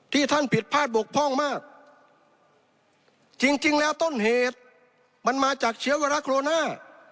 ท่านผิดพลาดบกพร่องมากจริงจริงแล้วต้นเหตุมันมาจากเชื้อไวรัสโรนา